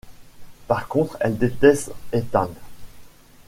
Par contre, elle déteste Ethan.